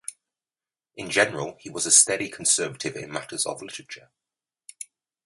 In general he was a steady conservative in matters of literature.